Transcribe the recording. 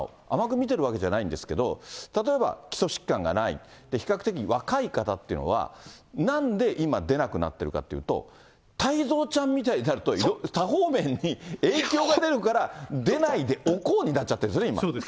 甘く見てるわけじゃないですけど、例えば基礎疾患がない、比較的若い方っていうのは、なんで今、出なくなっているかというと、太蔵ちゃんみたいになると、多方面に影響が出るから、出ないでおこうになっちゃってるんですね。